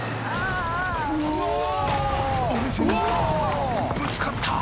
お店にぶつかった！